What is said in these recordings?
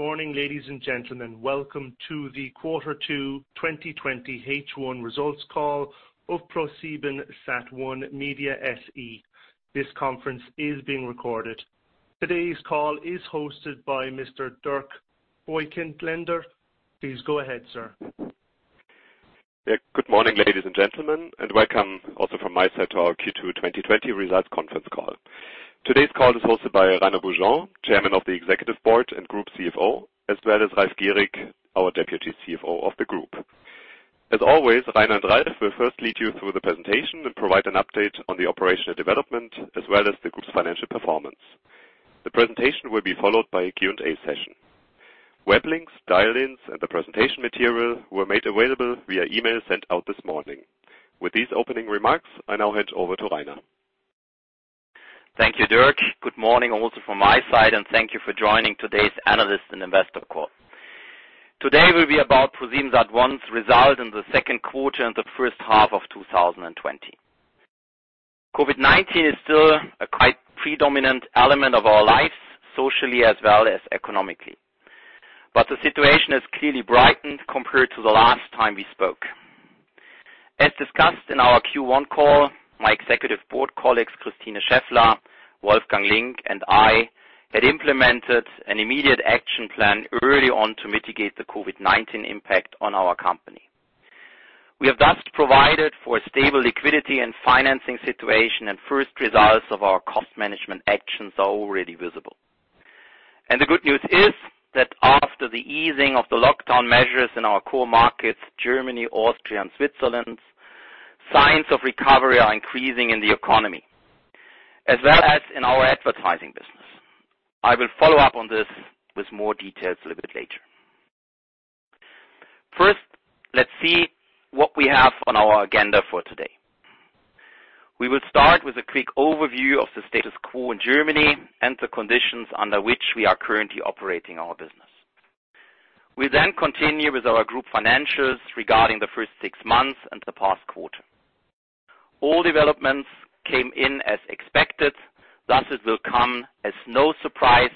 Good morning, ladies and gentlemen. Welcome to the quarter two 2020 H1 results call of ProSiebenSat.1 Media SE. This conference is being recorded. Today's call is hosted by Mr. Dirk Voigtländer. Please go ahead, sir. Yeah. Good morning, ladies and gentlemen, and welcome also from my side to our Q2 2020 results conference call. Today's call is hosted by Rainer Beaujean, Chairman of the Executive Board and Group CFO, as well as Ralf Gierig, our Deputy CFO of the Group. As always, Rainer and Ralf will first lead you through the presentation and provide an update on the operational development as well as the Group's financial performance. The presentation will be followed by a Q&A session. Web links, dial-ins, and the presentation material were made available via email sent out this morning. With these opening remarks, I now hand over to Rainer. Thank you, Dirk. Good morning also from my side, and thank you for joining today's analyst and investor call. Today will be about ProSiebenSat.1's result in the second quarter and the first half of 2020. COVID-19 is still a quite predominant element of our lives, socially as well as economically. The situation has clearly brightened compared to the last time we spoke. As discussed in our Q1 call, my Executive Board colleagues, Christine Scheffler, Wolfgang Link, and I had implemented an immediate action plan early on to mitigate the COVID-19 impact on our company. We have thus provided for a stable liquidity and financing situation, and first results of our cost management actions are already visible. The good news is that after the easing of the lockdown measures in our core markets, Germany, Austria and Switzerland, signs of recovery are increasing in the economy as well as in our advertising business. I will follow up on this with more details a little bit later. First, let's see what we have on our agenda for today. We will start with a quick overview of the status quo in Germany and the conditions under which we are currently operating our business. We'll then continue with our group financials regarding the first six months and the past quarter. All developments came in as expected. Thus, it will come as no surprise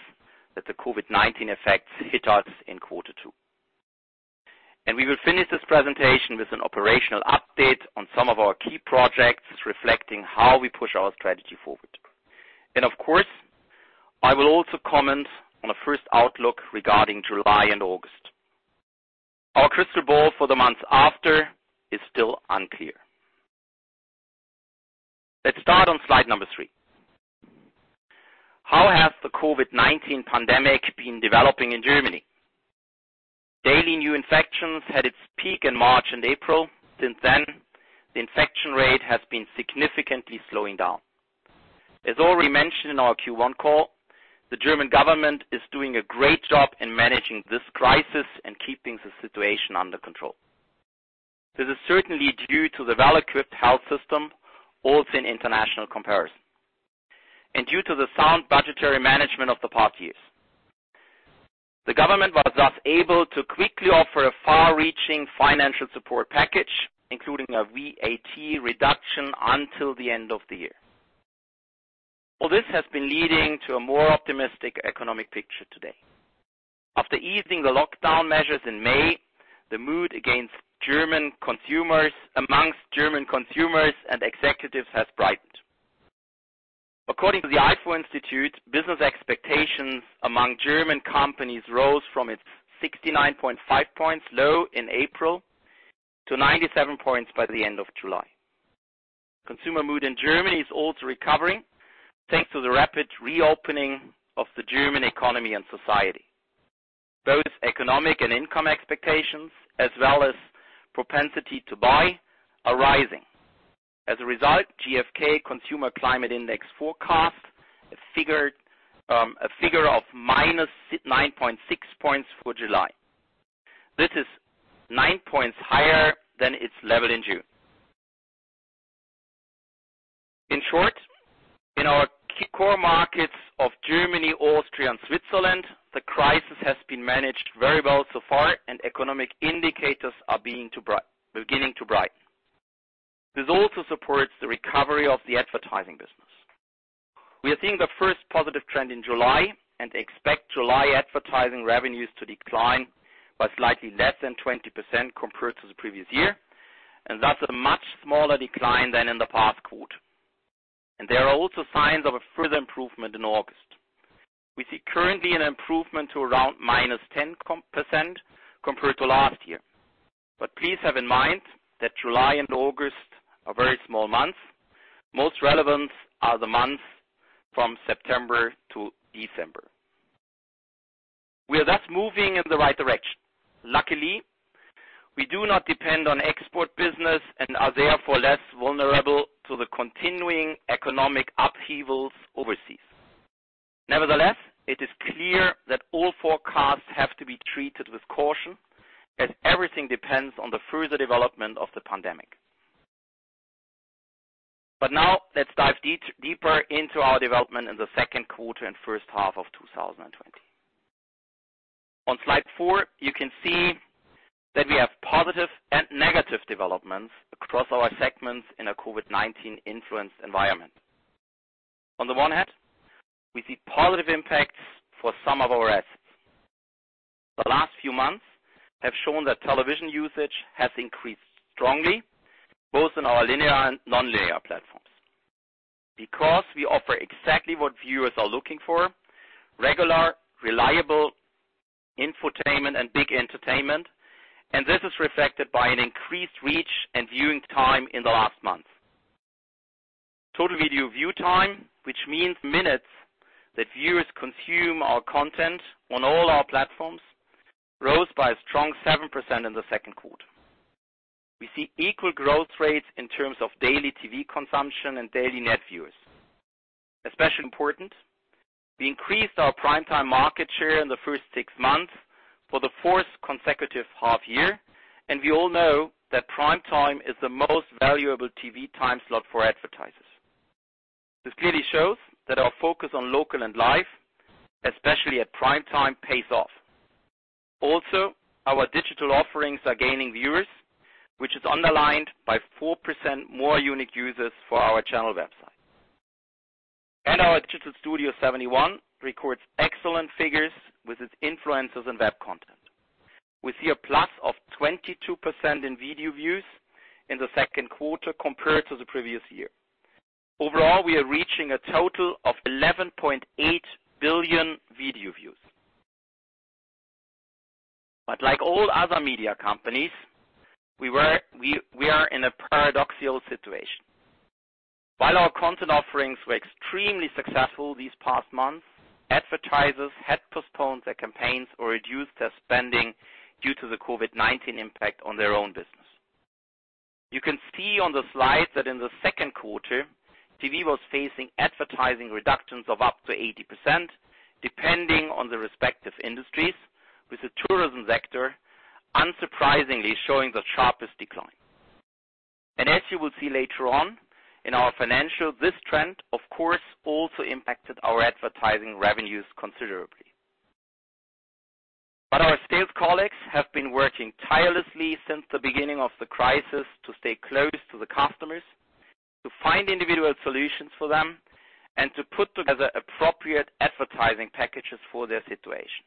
that the COVID-19 effects hit us in quarter two. We will finish this presentation with an operational update on some of our key projects reflecting how we push our strategy forward. Of course, I will also comment on a first outlook regarding July and August. Our crystal ball for the months after is still unclear. Let's start on slide number three. How has the COVID-19 pandemic been developing in Germany? Daily new infections had its peak in March and April. Since then, the infection rate has been significantly slowing down. As already mentioned in our Q1 call, the German government is doing a great job in managing this crisis and keeping the situation under control. This is certainly due to the well-equipped health system, also in international comparison, and due to the sound budgetary management of the past years. The government was thus able to quickly offer a far-reaching financial support package, including a VAT reduction until the end of the year. All this has been leading to a more optimistic economic picture today. After easing the lockdown measures in May, the mood among German consumers and executives has brightened. According to the Ifo Institute, business expectations among German companies rose from its 69.5 points low in April to 97 points by the end of July. Consumer mood in Germany is also recovering, thanks to the rapid reopening of the German economy and society. Both economic and income expectations, as well as propensity to buy, are rising. As a result, GfK Consumer Climate Index forecast a figure of -9.6 points for July. This is 9 points higher than its level in June. In short, in our key core markets of Germany, Austria and Switzerland, the crisis has been managed very well so far and economic indicators are beginning to brighten. This also supports the recovery of the advertising business. We are seeing the first positive trend in July and expect July advertising revenues to decline by slightly less than 20% compared to the previous year. That's a much smaller decline than in the past quarter. There are also signs of a further improvement in August. We see currently an improvement to around -10% compared to last year. Please have in mind that July and August are very small months. Most relevant are the months from September to December. We are thus moving in the right direction. Luckily, we do not depend on export business and are therefore less vulnerable to the continuing economic upheavals overseas. Nevertheless, it is clear that all forecasts have to be treated with caution, as everything depends on the further development of the pandemic. Now, let's dive deeper into our development in the second quarter and first half of 2020. On slide four, you can see that we have positive and negative developments across our segments in a COVID-19 influenced environment. On the one hand, we see positive impacts for some of our assets. The last few months have shown that television usage has increased strongly, both in our linear and non-linear platforms. We offer exactly what viewers are looking for, regular, reliable infotainment and big entertainment, and this is reflected by an increased reach and viewing time in the last month. Total video view time, which means minutes that viewers consume our content on all our platforms, rose by a strong 7% in the second quarter. We see equal growth rates in terms of daily TV consumption and daily net viewers. Especially important, we increased our prime time market share in the first six months for the fourth consecutive half year, and we all know that prime time is the most valuable TV time slot for advertisers. This clearly shows that our focus on local and live, especially at prime time, pays off. Also, our digital offerings are gaining viewers, which is underlined by 4% more unique users for our channel website. Our digital Studio71 records excellent figures with its influencers and web content. We see a plus of 22% in video views in the second quarter compared to the previous year. Overall, we are reaching a total of 11.8 billion video views. Like all other media companies, we are in a paradoxical situation. While our content offerings were extremely successful these past months, advertisers had postponed their campaigns or reduced their spending due to the COVID-19 impact on their own business. You can see on the slide that in the second quarter, TV was facing advertising reductions of up to 80%, depending on the respective industries, with the tourism sector unsurprisingly showing the sharpest decline. As you will see later on in our financial, this trend of course, also impacted our advertising revenues considerably. Our sales colleagues have been working tirelessly since the beginning of the crisis to stay close to the customers, to find individual solutions for them, and to put together appropriate advertising packages for their situation.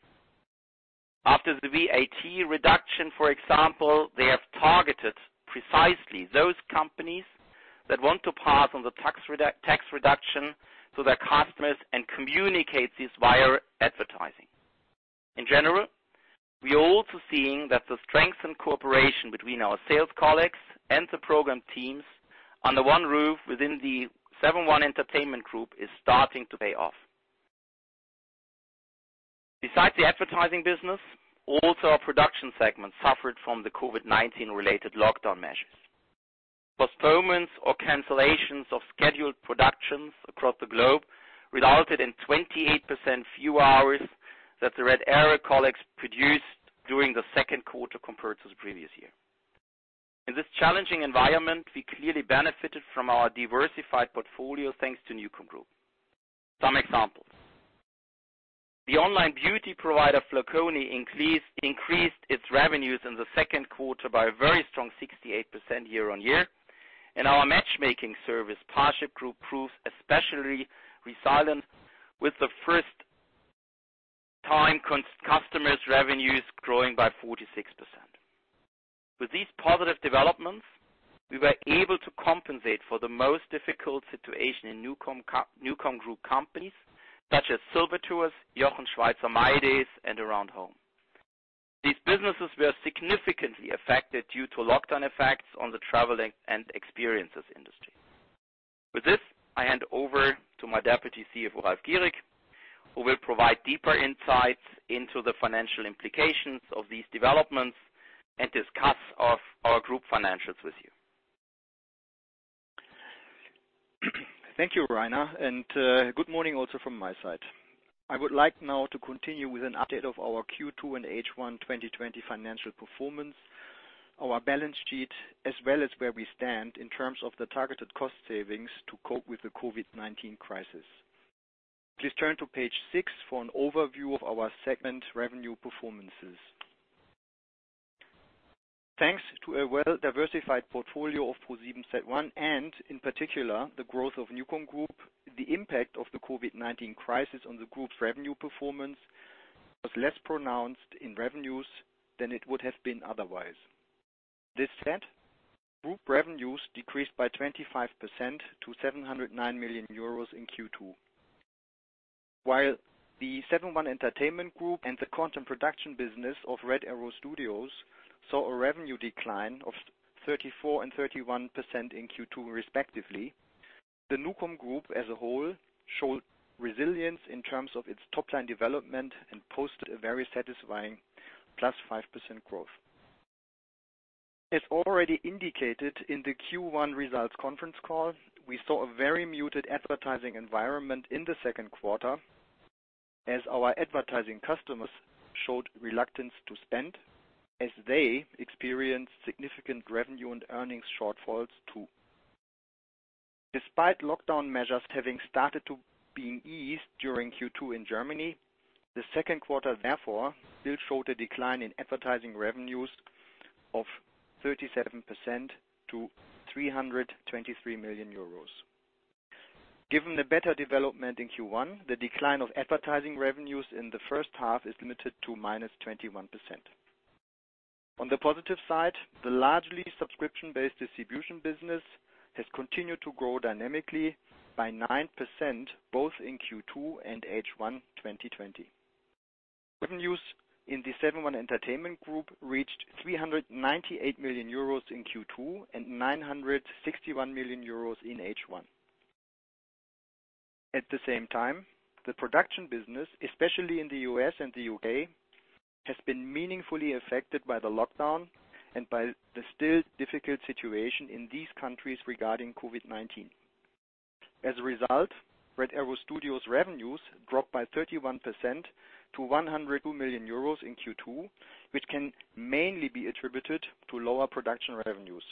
After the VAT reduction, for example, they have targeted precisely those companies that want to pass on the tax reduction to their customers and communicate this via advertising. In general, we are also seeing that the strength and cooperation between our sales colleagues and the program teams under one roof within the Seven.One Entertainment Group is starting to pay off. Besides the advertising business, also our production segment suffered from the COVID-19 related lockdown measures. Postponements or cancellations of scheduled productions across the globe resulted in 28% fewer hours that the Red Arrow colleagues produced during the second quarter compared to the previous year. In this challenging environment, we clearly benefited from our diversified portfolio, thanks to NuCom Group. Some examples. The online beauty provider, flaconi, increased its revenues in the second quarter by a very strong 68% year-on-year, and our matchmaking service, Parship Group, proved especially resilient with the first time customers revenues growing by 46%. With these positive developments, we were able to compensate for the most difficult situation in NuCom Group companies such as SilverTours, Jochen Schweizer mydays, and Aroundhome. These businesses were significantly affected due to lockdown effects on the traveling and experiences industry. With this, I hand over to my Deputy CFO, Ralf Gierig, who will provide deeper insights into the financial implications of these developments and discuss of our group financials with you. Thank you, Rainer, and good morning also from my side. I would like now to continue with an update of our Q2 and H1 2020 financial performance, our balance sheet, as well as where we stand in terms of the targeted cost savings to cope with the COVID-19 crisis. Please turn to page six for an overview of our segment revenue performances. Thanks to a well-diversified portfolio of ProSiebenSat.1, and in particular, the growth of NuCom Group, the impact of the COVID-19 crisis on the group's revenue performance was less pronounced in revenues than it would have been otherwise. This said, group revenues decreased by 25% to 709 million euros in Q2. While the Seven.One Entertainment Group and the content production business of Red Arrow Studios saw a revenue decline of 34% and 31% in Q2 respectively, the NuCom Group as a whole showed resilience in terms of its top-line development and posted a very satisfying +5% growth. As already indicated in the Q1 results conference call, we saw a very muted advertising environment in the second quarter as our advertising customers showed reluctance to spend as they experienced significant revenue and earnings shortfalls, too. Despite lockdown measures having started to being eased during Q2 in Germany, the second quarter therefore still showed a decline in advertising revenues of 37% to 323 million euros. Given the better development in Q1, the decline of advertising revenues in the first half is limited to -21%. On the positive side, the largely subscription-based distribution business has continued to grow dynamically by 9%, both in Q2 and H1 2020. Revenues in the Seven.One Entertainment Group reached 398 million euros in Q2 and 961 million euros in H1. At the same time, the production business, especially in the U.S. and the U.K., has been meaningfully affected by the lockdown and by the still difficult situation in these countries regarding COVID-19. As a result, Red Arrow Studios revenues dropped by 31% to 102 million euros in Q2, which can mainly be attributed to lower production revenues.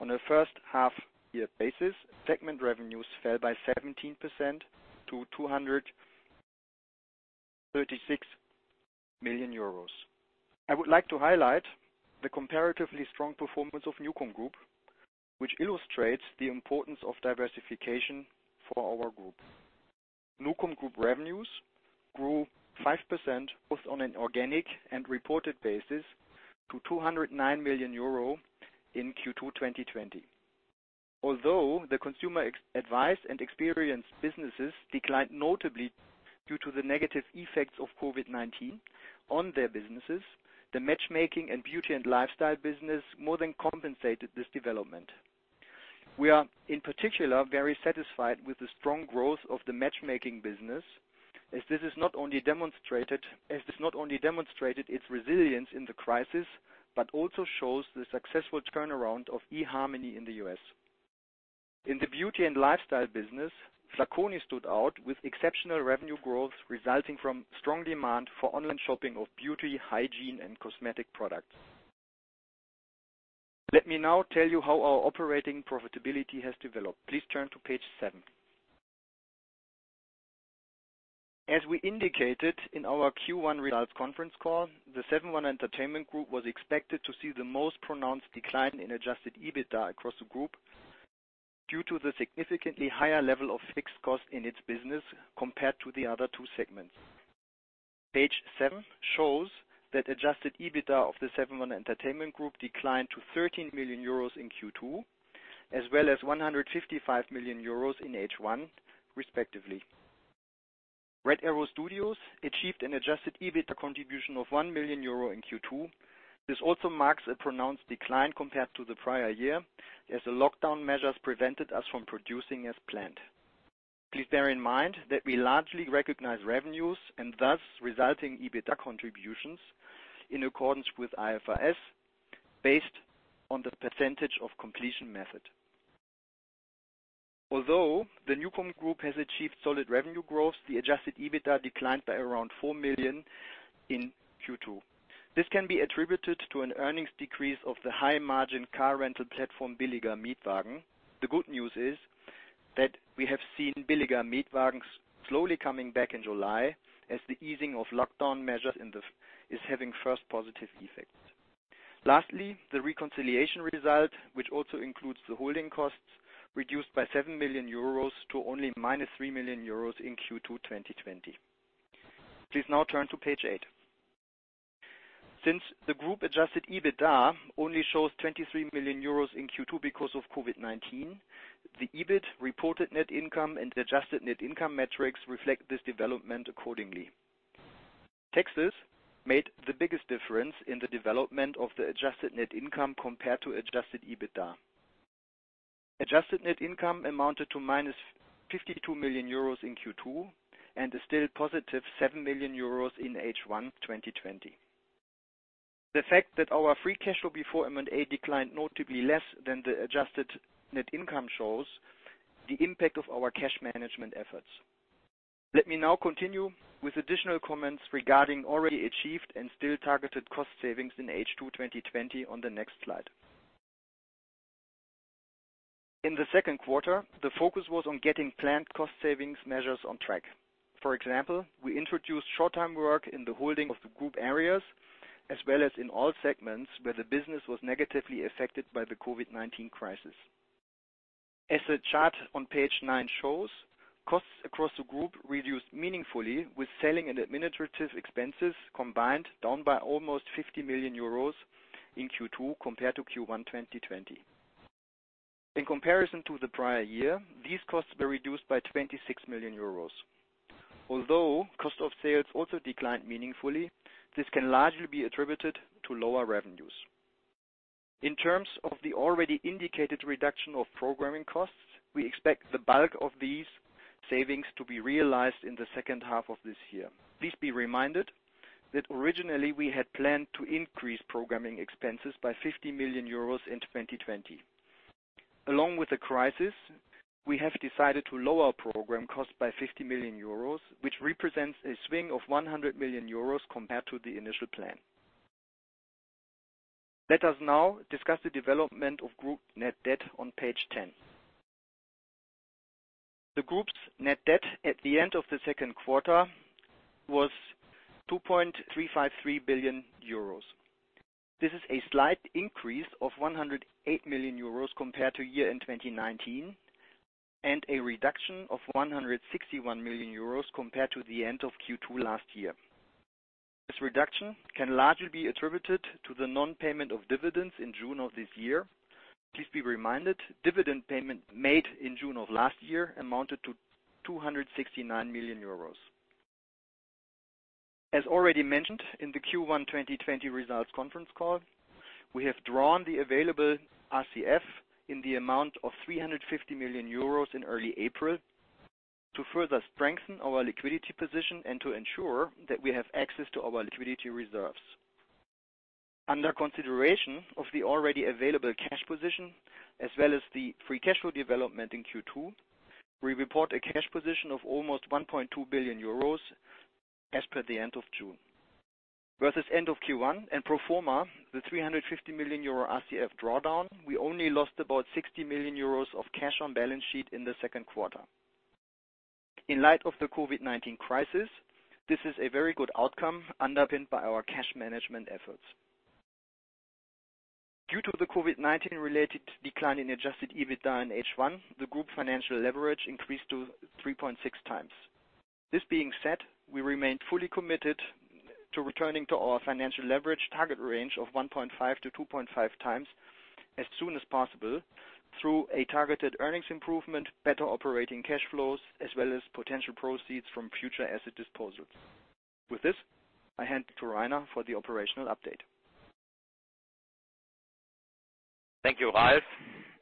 On the first half year basis, segment revenues fell by 17% to 236 million euros. I would like to highlight the comparatively strong performance of NuCom Group, which illustrates the importance of diversification for our group. NuCom Group revenues grew 5%, both on an organic and reported basis to 209 million euro in Q2 2020. Although the consumer advice and experience businesses declined notably due to the negative effects of COVID-19 on their businesses, the matchmaking and beauty and lifestyle business more than compensated this development. We are, in particular, very satisfied with the strong growth of the matchmaking business, as this has not only demonstrated its resilience in the crisis, but also shows the successful turnaround of eharmony in the U.S. In the beauty and lifestyle business, flaconi stood out with exceptional revenue growth resulting from strong demand for online shopping of beauty, hygiene, and cosmetic products. Let me now tell you how our operating profitability has developed. Please turn to page seven. As we indicated in our Q1 results conference call, the Seven.One Entertainment Group was expected to see the most pronounced decline in adjusted EBITDA across the group due to the significantly higher level of fixed cost in its business compared to the other two segments. Page seven shows that adjusted EBITDA of the Seven.One Entertainment Group declined to 30 million euros in Q2, as well as 155 million euros in H1 respectively. Red Arrow Studios achieved an adjusted EBITDA contribution of 1 million euro in Q2. This also marks a pronounced decline compared to the prior year, as the lockdown measures prevented us from producing as planned. Please bear in mind that we largely recognize revenues and thus resulting EBITDA contributions in accordance with IFRS, based on the percentage of completion method. Although the NuCom Group has achieved solid revenue growth, the adjusted EBITDA declined by around 4 million in Q2. This can be attributed to an earnings decrease of the high margin car rental platform, Billiger Mietwagen. The good news is that we have seen Billiger Mietwagen slowly coming back in July, as the easing of lockdown measures is having first positive effects. Lastly, the reconciliation result, which also includes the holding costs, reduced by 7 million euros to only -3 million euros in Q2 2020. Please now turn to page eight. Since the group adjusted EBITDA only shows 23 million euros in Q2 because of COVID-19, the EBIT reported net income and adjusted net income metrics reflect this development accordingly. Taxes made the biggest difference in the development of the adjusted net income compared to adjusted EBITDA. Adjusted net income amounted to -52 million euros in Q2, and a still +7 million euros in H1 2020. The fact that our free cash flow before M&A declined notably less than the adjusted net income shows the impact of our cash management efforts. Let me now continue with additional comments regarding already achieved and still targeted cost savings in H2 2020 on the next slide. In the second quarter, the focus was on getting planned cost savings measures on track. For example, we introduced short-term work in the holding of the group areas, as well as in all segments where the business was negatively affected by the COVID-19 crisis. As the chart on page nine shows, costs across the group reduced meaningfully, with selling and administrative expenses combined down by almost 50 million euros in Q2 compared to Q1 2020. In comparison to the prior year, these costs were reduced by 26 million euros. Although cost of sales also declined meaningfully, this can largely be attributed to lower revenues. In terms of the already indicated reduction of programming costs, we expect the bulk of these savings to be realized in the second half of this year. Please be reminded that originally we had planned to increase programming expenses by 50 million euros in 2020. Along with the crisis, we have decided to lower program cost by 50 million euros, which represents a swing of 100 million euros compared to the initial plan. Let us now discuss the development of group net debt on page 10. The group's net debt at the end of the second quarter was 2.353 billion euros. This is a slight increase of 108 million euros compared to year-end 2019, and a reduction of 161 million euros compared to the end of Q2 last year. This reduction can largely be attributed to the non-payment of dividends in June of this year. Please be reminded, dividend payment made in June of last year amounted to 269 million euros. As already mentioned in the Q1 2020 results conference call, we have drawn the available RCF in the amount of 350 million euros in early April to further strengthen our liquidity position and to ensure that we have access to our liquidity reserves. Under consideration of the already available cash position, as well as the free cash flow development in Q2, we report a cash position of almost 1.2 billion euros as per the end of June. Versus end of Q1 and pro forma, the 350 million euro RCF drawdown, we only lost about 60 million euros of cash on balance sheet in the second quarter. In light of the COVID-19 crisis, this is a very good outcome underpinned by our cash management efforts. Due to the COVID-19 related decline in adjusted EBITDA in H1, the group financial leverage increased to 3.6x. This being said, we remain fully committed to returning to our financial leverage target range of 1.5x-2.5x as soon as possible through a targeted earnings improvement, better operating cash flows, as well as potential proceeds from future asset disposals. With this, I hand to Rainer for the operational update. Thank you, Ralf.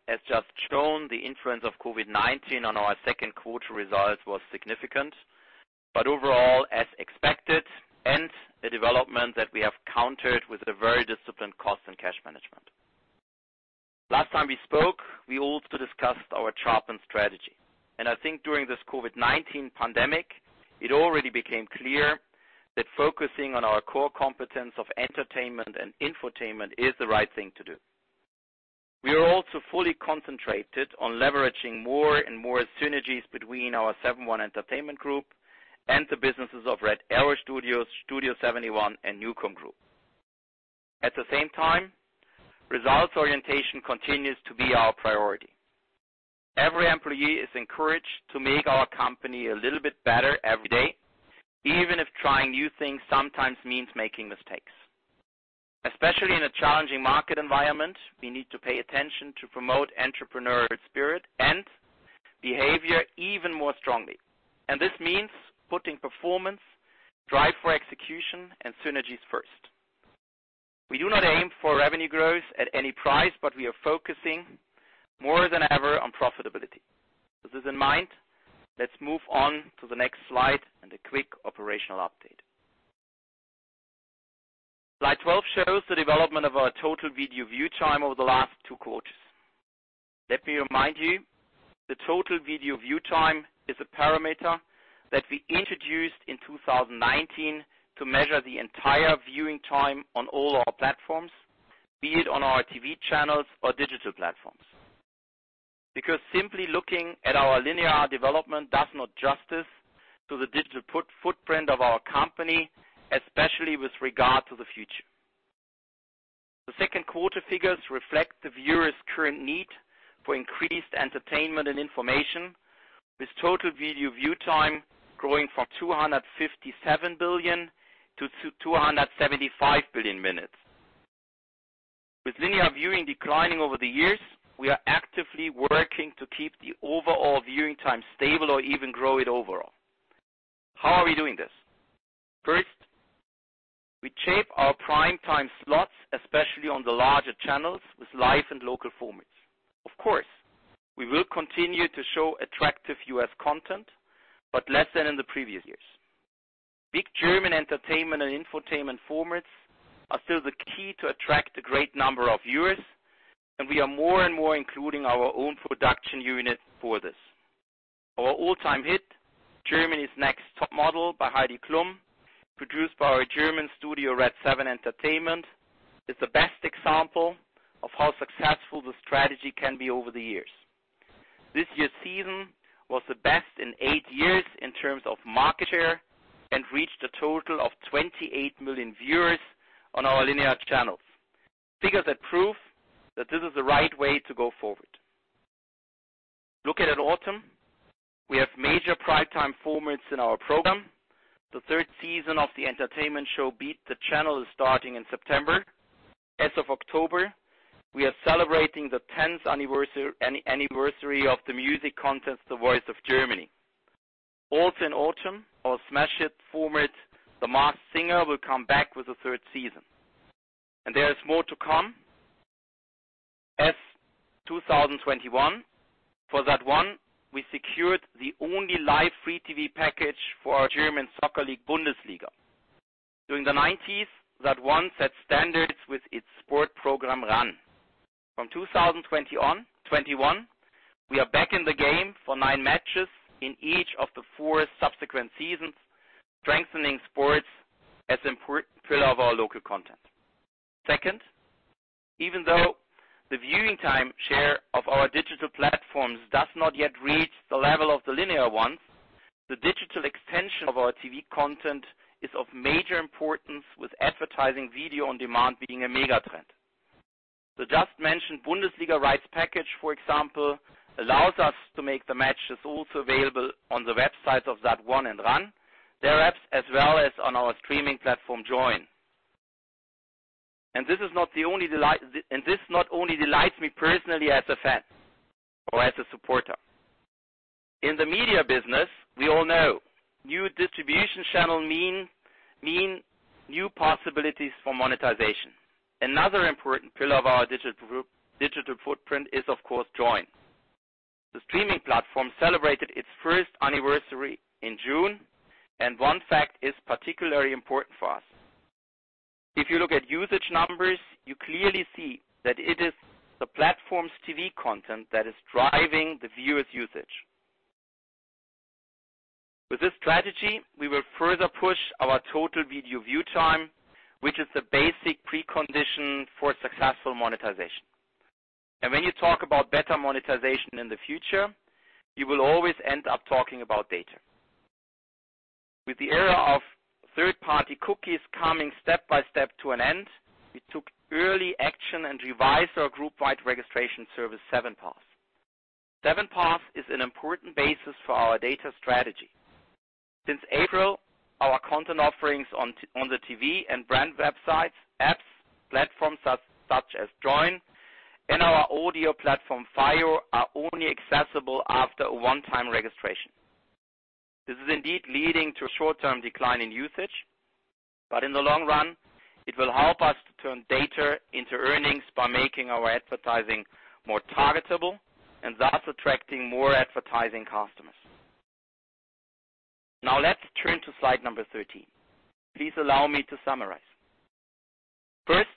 As just shown, the influence of COVID-19 on our second quarter results was significant. Overall, as expected, and a development that we have countered with a very disciplined cost and cash management. Last time we spoke, we also discussed our sharpen strategy. I think during this COVID-19 pandemic, it already became clear that focusing on our core competence of entertainment and infotainment is the right thing to do. We are also fully concentrated on leveraging more and more synergies between our Seven.One Entertainment Group and the businesses of Red Arrow Studios, Studio71, and NuCom Group. At the same time, results orientation continues to be our priority. Every employee is encouraged to make our company a little bit better every day, even if trying new things sometimes means making mistakes. Especially in a challenging market environment, we need to pay attention to promote entrepreneurial spirit and behavior even more strongly. This means putting performance, drive for execution, and synergies first. We do not aim for revenue growth at any price, but we are focusing more than ever on profitability. With this in mind, let's move on to the next slide and a quick operational update. Slide 12 shows the development of our total video view time over the last two quarters. Let me remind you, the total video view time is a parameter that we introduced in 2019 to measure the entire viewing time on all our platforms, be it on our TV channels or digital platforms. Simply looking at our linear development does no justice to the digital footprint of our company, especially with regard to the future. The second quarter figures reflect the viewers' current need for increased entertainment and information, with total video view time growing from 257 billion-275 billion minutes. With linear viewing declining over the years, we are actively working to keep the overall viewing time stable or even grow it overall. How are we doing this? First, we shape our prime time slots, especially on the larger channels, with live and local formats. Of course, we will continue to show attractive U.S. content, but less than in the previous years. Big German entertainment and infotainment formats are still the key to attract a great number of viewers, and we are more and more including our own production unit for this. Our all-time hit, Germany's Next Topmodel by Heidi Klum, produced by our German studio, Redseven Entertainment, is the best example of how successful the strategy can be over the years. This year's season was the best in eight years in terms of market share and reached a total of 28 million viewers on our linear channels. Figures that prove that this is the right way to go forward. Looking at autumn, we have major prime time formats in our program. The third season of the entertainment show Beat the Channel is starting in September. As of October, we are celebrating the 10th anniversary of the music contest, The Voice of Germany. Also in autumn, our smash hit format, The Masked Singer, will come back with a third season. There is more to come. As 2021, for Sat.1, we secured the only live free TV package for our German Soccer League Bundesliga. During the '90s, Sat.1 set standards with its sport program ran. From 2021, we are back in the game for nine matches in each of the four subsequent seasons, strengthening sports as a pillar of our local content. Second. Even though the viewing time share of our digital platforms does not yet reach the level of the linear ones, the digital extension of our TV content is of major importance, with advertising video on demand being a mega trend. The just mentioned Bundesliga rights package, for example, allows us to make the matches also available on the websites of Sat.1 and ran, their apps, as well as on our streaming platform, Joyn. This not only delights me personally as a fan or as a supporter. In the media business, we all know, new distribution channel mean new possibilities for monetization. Another important pillar of our digital footprint is, of course, Joyn. The streaming platform celebrated its first anniversary in June, and one fact is particularly important for us. If you look at usage numbers, you clearly see that it is the platform's TV content that is driving the viewers' usage. With this strategy, we will further push our total video view time, which is the basic precondition for successful monetization. When you talk about better monetization in the future, you will always end up talking about data. With the era of third-party cookies coming step by step to an end, we took early action and revised our group-wide registration service 7Pass. 7Pass is an important basis for our data strategy. Since April, our content offerings on the TV and brand websites, apps, platforms such as Joyn, and our audio platform, FYEO, are only accessible after a one-time registration. This is indeed leading to a short-term decline in usage, in the long run, it will help us to turn data into earnings by making our advertising more targetable, and thus attracting more advertising customers. Let's turn to slide number 13. Please allow me to summarize. First,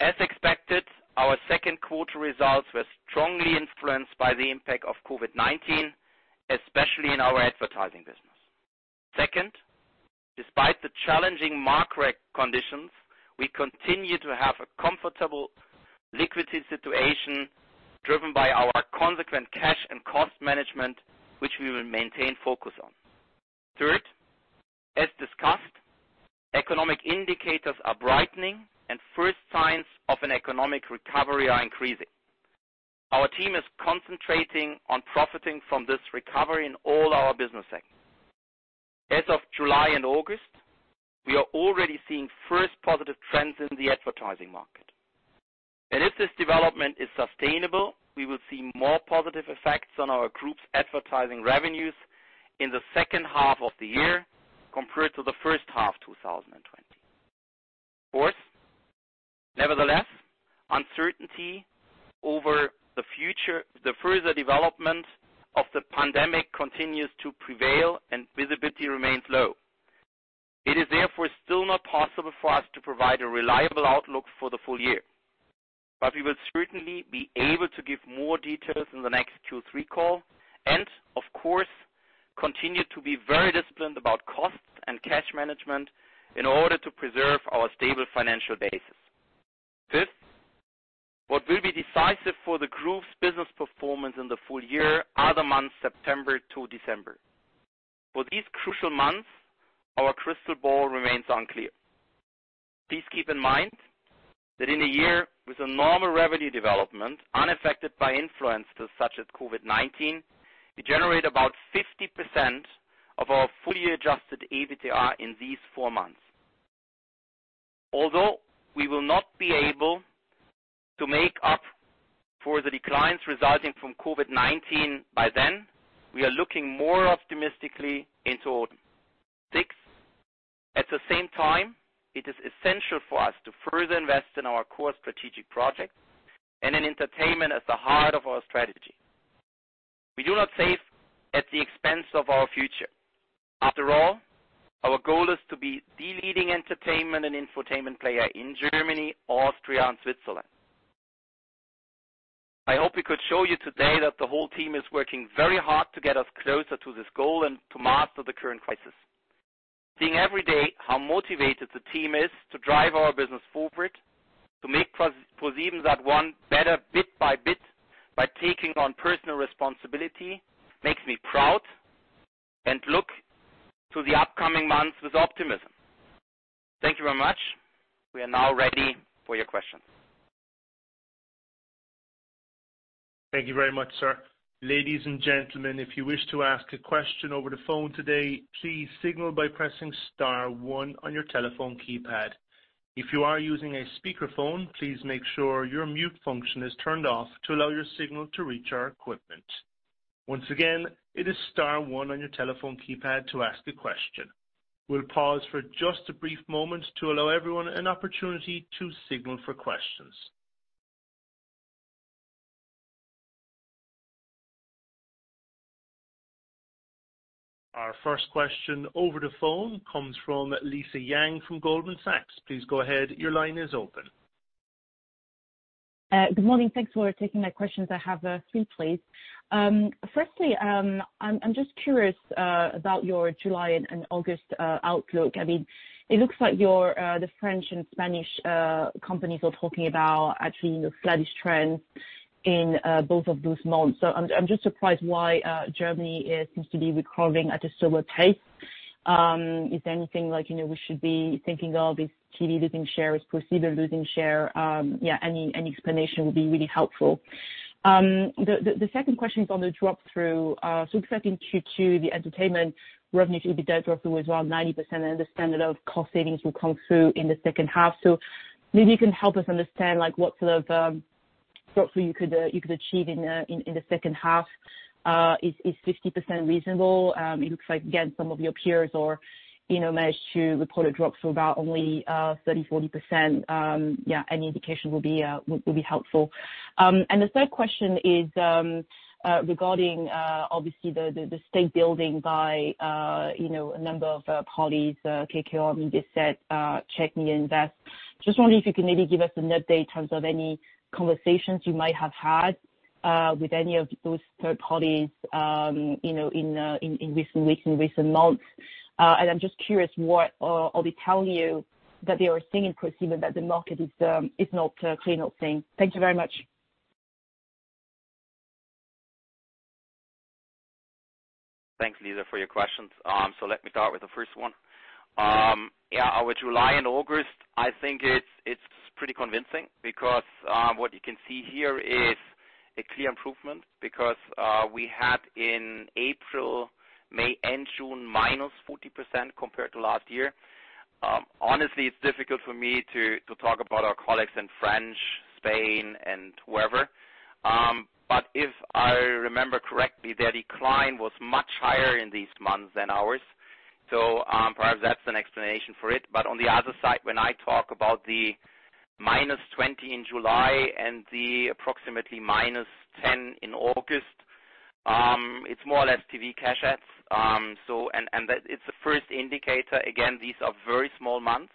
as expected, our second quarter results were strongly influenced by the impact of COVID-19, especially in our advertising business. Second, despite the challenging market conditions, we continue to have a comfortable liquidity situation driven by our consequent cash and cost management, which we will maintain focus on. Third, as discussed, economic indicators are brightening and first signs of an economic recovery are increasing. Our team is concentrating on profiting from this recovery in all our business segments. As of July and August, we are already seeing first positive trends in the advertising market. If this development is sustainable, we will see more positive effects on our group's advertising revenues in the second half of the year compared to the first half 2020. Fourth, nevertheless, uncertainty over the further development of the pandemic continues to prevail and visibility remains low. It is therefore still not possible for us to provide a reliable outlook for the full year. We will certainly be able to give more details in the next Q3 call, and of course, continue to be very disciplined about costs and cash management in order to preserve our stable financial basis. Fifth, what will be decisive for the group's business performance in the full year are the months September to December. For these crucial months, our crystal ball remains unclear. Please keep in mind that in a year with a normal revenue development unaffected by influencers such as COVID-19, we generate about 50% of our full-year adjusted EBITDA in these four months. We will not be able to make up for the declines resulting from COVID-19 by then, we are looking more optimistically into autumn. Sixth, at the same time, it is essential for us to further invest in our core strategic projects and in entertainment at the heart of our strategy. We do not save at the expense of our future. Our goal is to be the leading entertainment and infotainment player in Germany, Austria, and Switzerland. I hope we could show you today that the whole team is working very hard to get us closer to this goal and to master the current crisis. Seeing every day how motivated the team is to drive our business forward, to make ProSiebenSat.1 better bit by bit by taking on personal responsibility, makes me proud and look to the upcoming months with optimism. Thank you very much. We are now ready for your questions. Thank you very much, sir. Ladies and gentlemen, if you wish to ask a question over the phone today, please signal by pressing star, one on your telephone keypad. If you are using a speakerphone, please make sure your mute function is turned off to allow your signal to reach our equipment. Once again, it is star, one on your telephone keypad to ask a question. We'll pause for just a brief moment to allow everyone an opportunity to signal for questions. Our first question over the phone comes from Lisa Yang from Goldman Sachs. Please go ahead, your line is open. Good morning, thanks for taking my questions. I have three, please. Firstly, I'm just curious about your July and August outlook. It looks like the French and Spanish companies are talking about actually a flattish trend in both of those months. I'm just surprised why Germany seems to be recovering at a slower pace. Is there anything we should be thinking of, is TV losing share, is ProSieben losing share? Any explanation would be really helpful. The second question is on the drop-through. Expecting Q2, the entertainment revenue to be down drop-through as well, 90%, I understand a lot of cost savings will come through in the second half. Maybe you can help us understand what sort of drop-through you could achieve in the second half. Is 50% reasonable? It looks like, again, some of your peers managed to report a drop through about only 30%-40%. Any indication will be helpful. The third question is regarding, obviously, the stake building by a number of parties, KKR, Mediaset, Czech Media Invest. Just wondering if you can maybe give us an update in terms of any conversations you might have had with any of those third parties in recent weeks, in recent months. I'm just curious what are they telling you that they are seeing in ProSieben that the market is not clearly not seeing. Thank you very much. Thanks, Lisa, for your questions. Let me start with the first one. With July and August, I think it's pretty convincing because what you can see here is a clear improvement, because we had in April, May, and June, -40% compared to last year. Honestly, it's difficult for me to talk about our colleagues in French, Spain, and wherever. If I remember correctly, their decline was much higher in these months than ours. Perhaps that's an explanation for it. On the other side, when I talk about the -20% in July and the approximately -10% in August, it's more or less TV cash ads. It's the first indicator. Again, these are very small months.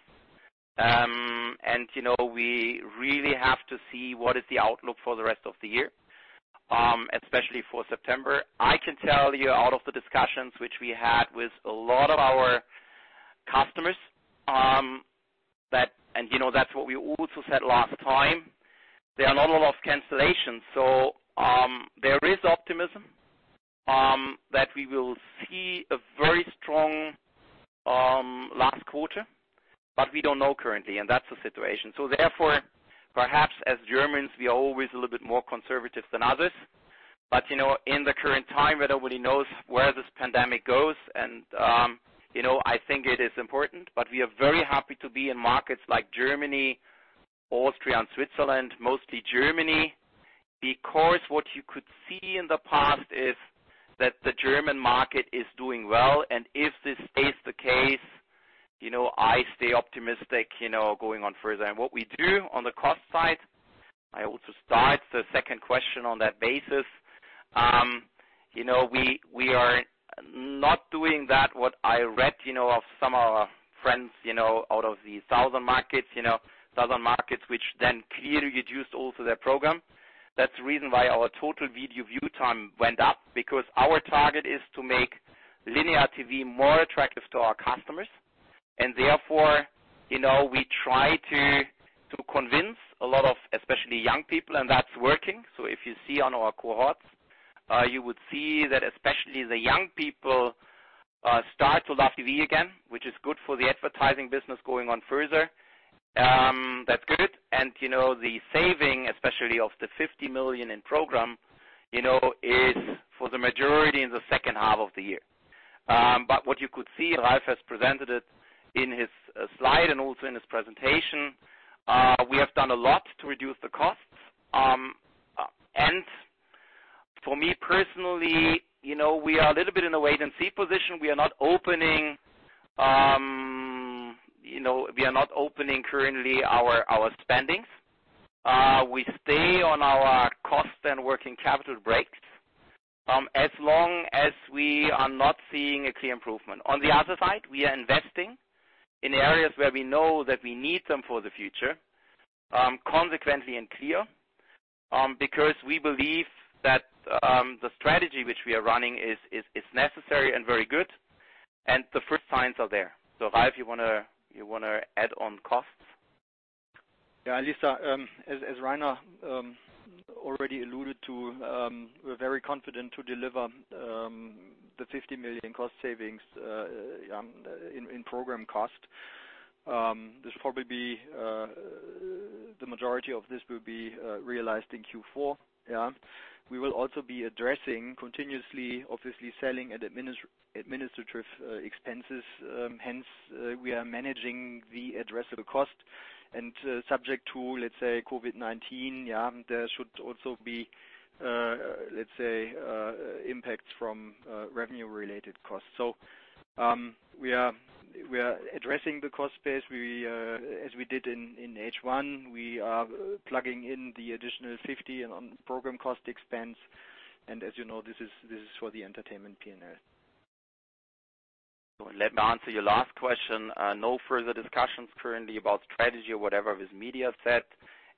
We really have to see what is the outlook for the rest of the year, especially for September. I can tell you out of the discussions which we had with a lot of our customers, and that's what we also said last time, there are not a lot of cancellations. There is optimism that we will see a very strong last quarter, but we don't know currently, and that's the situation. Therefore, perhaps as Germans, we are always a little bit more conservative than others. In the current time, nobody knows where this pandemic goes, and I think it is important, but we are very happy to be in markets like Germany, Austria, and Switzerland, mostly Germany, because what you could see in the past is that the German market is doing well, and if this stays the case, I stay optimistic going on further. What we do on the cost side, I also start the second question on that basis. We are not doing that, what I read of some of our friends out of the southern markets, which clearly reduced also their program. That's the reason why our total video view time went up, our target is to make linear TV more attractive to our customers. Therefore, we try to convince a lot of especially young people, that's working. If you see on our cohorts, you would see that especially the young people start to love TV again, which is good for the advertising business going on further. That's good. The saving, especially of the 50 million in program, is for the majority in the second half of the year. What you could see, Ralf has presented it in his slide and also in his presentation, we have done a lot to reduce the costs. For me personally, we are a little bit in a wait-and-see position. We are not opening currently our spendings. We stay on our cost and working capital breaks as long as we are not seeing a clear improvement. The other side, we are investing in areas where we know that we need them for the future, consequently and clear, because we believe that the strategy which we are running is necessary and very good, and the first signs are there. Ralf, you want to add on costs? Yeah, Lisa, as Rainer already alluded to, we're very confident to deliver the 50 million cost savings in program cost. The majority of this will be realized in Q4. We will also be addressing continuously, obviously, selling administrative expenses. We are managing the addressable cost and subject to, let's say, COVID-19, there should also be impacts from revenue-related costs. We are addressing the cost base as we did in H1. We are plugging in the additional 50 million on program cost expense. As you know, this is for the entertainment P&L. Let me answer your last question. No further discussions currently about strategy or whatever with Mediaset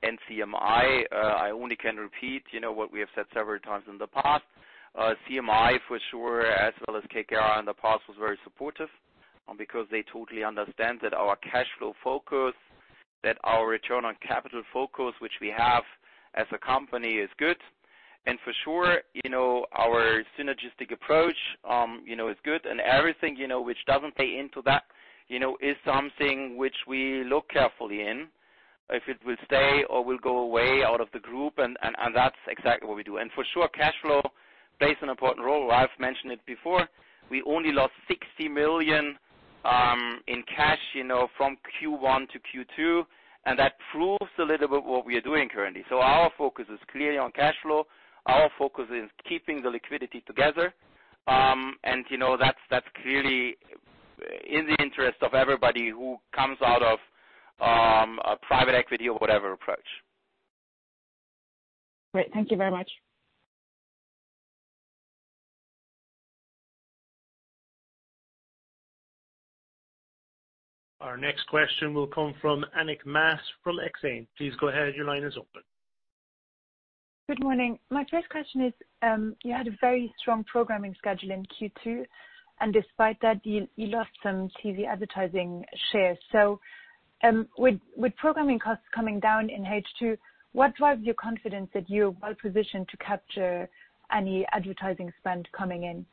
and CMI, I only can repeat what we have said several times in the past. CMI, for sure, as well as KKR in the past, was very supportive because they totally understand that our cash flow focus, that our return on capital focus, which we have as a company, is good. For sure, our synergistic approach is good and everything which doesn't play into that, is something which we look carefully in, if it will stay or will go away out of the group. That's exactly what we do. For sure, cash flow plays an important role. I've mentioned it before. We only lost 60 million in cash from Q1-Q2, and that proves a little bit what we are doing currently. Our focus is clearly on cash flow. Our focus is keeping the liquidity together. That's clearly in the interest of everybody who comes out of a private equity or whatever approach. Great, thank you very much. Our next question will come from Annick Maas from Exane. Please go ahead, your line is open. Good morning. My first question is, you had a very strong programming schedule in Q2, and despite that, you lost some TV advertising shares. With programming costs coming down in H2, what drives your confidence that you're well-positioned to capture any advertising spend coming in?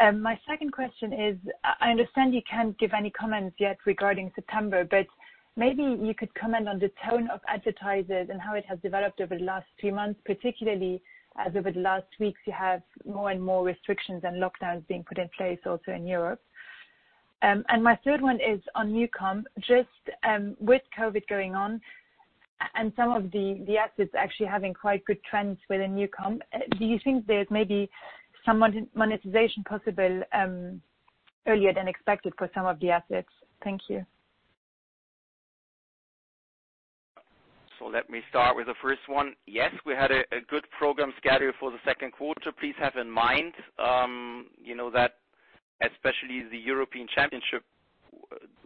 My second question is, I understand you can't give any comments yet regarding September, but maybe you could comment on the tone of advertisers and how it has developed over the last three months, particularly as over the last weeks you have more and more restrictions and lockdowns being put in place also in Europe. My third one is on NuCom. Just with COVID going on and some of the assets actually having quite good trends within NuCom, do you think there's maybe some monetization possible earlier than expected for some of the assets? Thank you. Let me start with the first one. Yes, we had a good program schedule for the second quarter. Please have in mind that especially the European Championship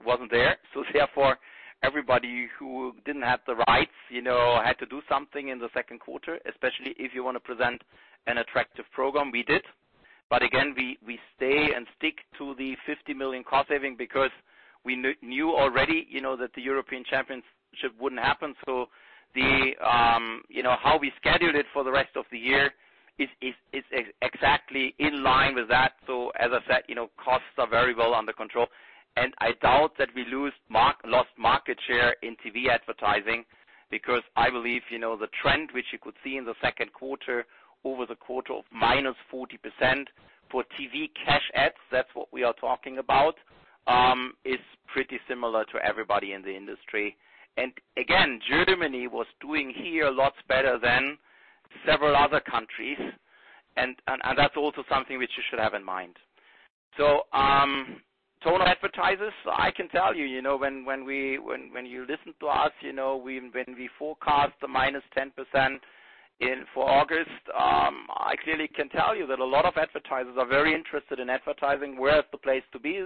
wasn't there. Therefore, everybody who didn't have the rights had to do something in the second quarter, especially if you want to present an attractive program, we did. Again, we stay and stick to the 50 million cost saving because we knew already that the European Championship wouldn't happen. How we scheduled it for the rest of the year is exactly in line with that. As I said, costs are very well under control, and I doubt that we lost market share in TV advertising because I believe, the trend which you could see in the second quarter over the quarter of -40% for TV cash ads, that's what we are talking about, is pretty similar to everybody in the industry. Again, Germany was doing here lots better than several other countries, and that's also something which you should have in mind. Total advertisers, I can tell you, when you listen to us, when we forecast the -10% for August, I clearly can tell you that a lot of advertisers are very interested in advertising. Where is the place to be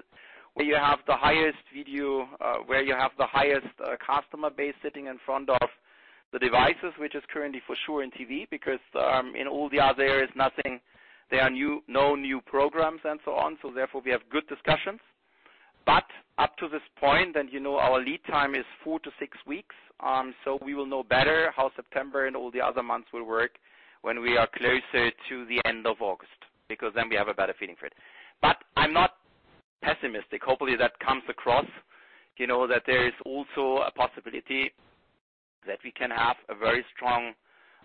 where you have the highest video, where you have the highest customer base sitting in front of the devices, which is currently for sure in TV, because in all the others, there are no new programs and so on. Therefore, we have good discussions. Up to this point, and you know our lead time is four to six weeks. We will know better how September and all the other months will work when we are closer to the end of August, because then we have a better feeling for it. I'm not pessimistic. Hopefully, that comes across, that there is also a possibility that we can have a very strong